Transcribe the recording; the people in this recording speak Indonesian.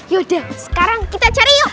yaudah sekarang kita cari yuk